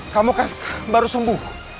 kamu baru sembuh